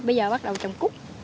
bây giờ bắt đầu trồng cút